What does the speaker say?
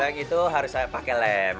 paling itu harus pakai lem